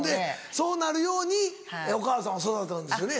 そうなるようにお母さんは育てたんですよね？